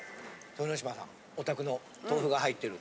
豊ノ島さんおたくの豆腐が入ってる。